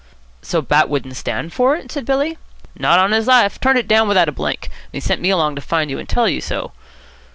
"So Bat wouldn't stand for it?" said Billy. "Not on his life. Turned it down without a blink. And he sent me along to find you and tell you so."